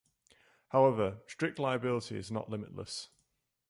However, strict liability is not limitless.